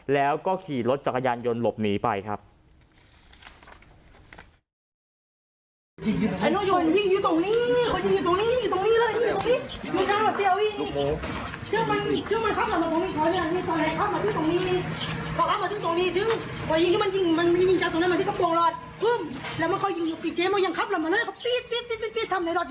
แล้วก็ขี่รถจักรยานยนต์หลบหนีไปครับ